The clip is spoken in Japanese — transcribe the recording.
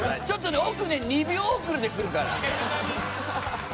ちょっとね奥ね２秒遅れでくるから。